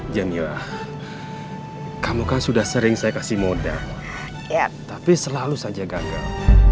jamila kamu kan sudah sering saya kasih modal tapi selalu saja gagal